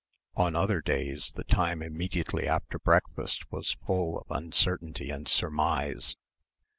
On other days the time immediately after breakfast was full of uncertainty and surmise.